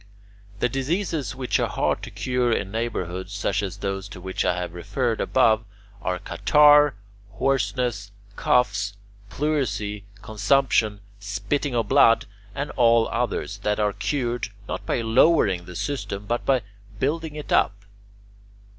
The diseases which are hard to cure in neighbourhoods such as those to which I have referred above are catarrh, hoarseness, coughs, pleurisy, consumption, spitting of blood, and all others that are cured not by lowering the system but by building it up.